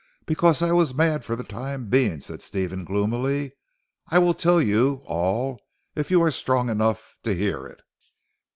"Because I was mad for the time being," said Stephen gloomily, "I will tell you all if you are strong enough to hear it."